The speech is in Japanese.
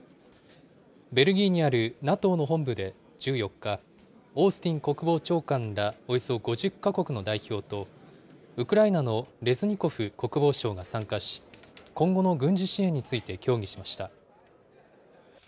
ベルギーにあるＮＡＴＯの本部で１４日、オースティン国防長官らおよそ５０か国の代表と、ウクライナのレズニコフ国防相が参加し、今後の軍事支援について協議しました。